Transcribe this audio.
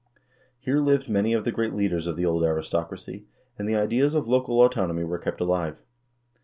Here lived many of the great leaders of the old aristocracy, and the ideas of local autonomy were kept alive.